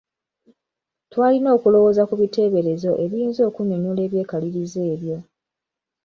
Twalina okulowooza ku biteeberezo ebiyinza okunnyonnyola ebyekalirizo ebyo.